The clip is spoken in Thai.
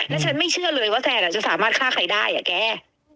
แล้วฉันไม่เชื่อเลยว่าแซนจะสามารถฆ่าใครได้อ่ะแก